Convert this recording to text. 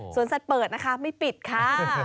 สัตว์เปิดนะคะไม่ปิดค่ะ